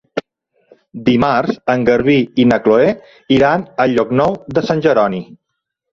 Dimarts en Garbí i na Chloé iran a Llocnou de Sant Jeroni.